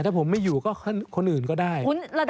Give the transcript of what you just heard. ถ้าผมไม่อยู่ก็คนอื่นก็ได้